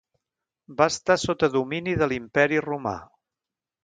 Va estar sota domini de l'Imperi Romà.